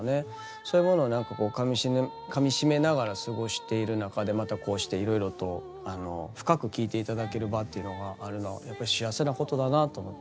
そういうものをなんかこうかみしめながら過ごしている中でまたこうしていろいろと深く聞いて頂ける場というのがあるのはやっぱ幸せなことだなと思って。